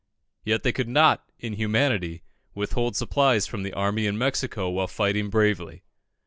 Yet they could not, in humanity, withhold supplies from the army in Mexico while fighting bravely.